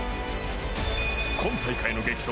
今大会の激闘